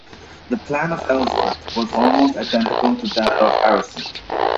The plan of Ellsworth was almost identical to that of Arrowsmith.